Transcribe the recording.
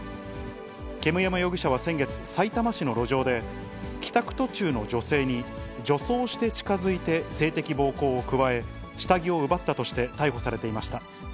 煙山容疑者は先月、さいたま市の路上で、帰宅途中の女性に、女装して近づいて性的暴行を加え、下着を奪ったとして逮捕されていました。